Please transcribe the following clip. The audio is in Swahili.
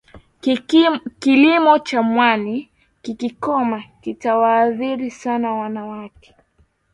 Kilimo cha mwani kikikoma kitawaathiri sana wanawake